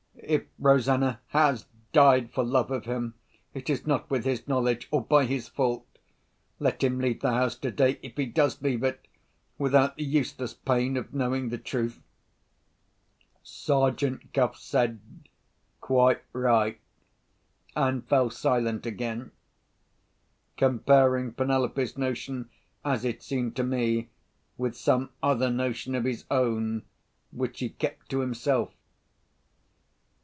If Rosanna has died for love of him, it is not with his knowledge or by his fault. Let him leave the house today, if he does leave it, without the useless pain of knowing the truth." Sergeant Cuff said, "Quite right," and fell silent again; comparing Penelope's notion (as it seemed to me) with some other notion of his own which he kept to himself.